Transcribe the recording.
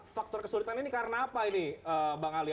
faktor kesulitan ini karena apa ini bang ali